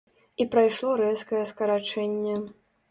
І прайшло рэзкае скарачэнне.